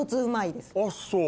あっそう。